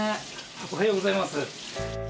おはようございます。